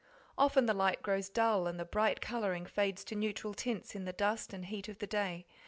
Often the light grows dull and the bright colouring fades to neutral tints in the dust and heat of the day.